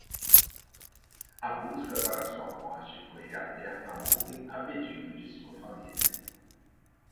A busca para sua morte foi reaberta ontem a pedido de sua família.